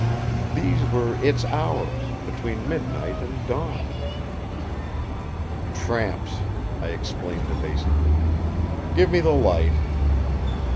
These were Its hours, between midnight and dawn. "Tramps," I explained evasively. "Give me the light."